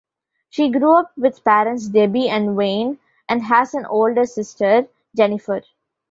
She grew up with parents Debbie and Wayne, and has an older sister, Jennifer.